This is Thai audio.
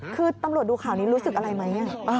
คือตำรวจดูข่าวนี้รู้สึกอะไรไหม